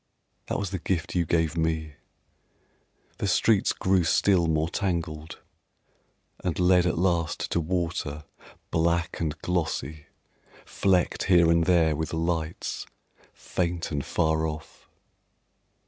That was the gift you gave me. ... The streets grew still more tangled, And led at last to water black and glossy, Flecked here and there with lights, faint and far off.